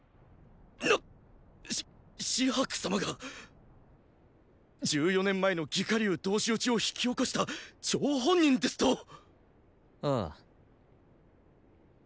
なっし紫伯様が十四年前の魏火龍同士討ちを引き起こした“張本人”ですと⁉ああ。